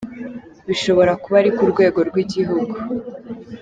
Bishobora kuba ari ku rwego rw’igihugu.